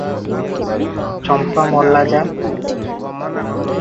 ଚମ୍ପା - ମଲା ଯା!